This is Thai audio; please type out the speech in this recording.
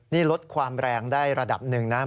นี่ลดความแรงได้ระดับหนึ่งนะ